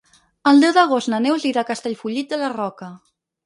El deu d'agost na Neus irà a Castellfollit de la Roca.